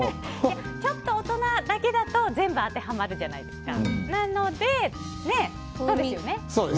ちょっと大人だけだと全部当てはまるじゃないですか。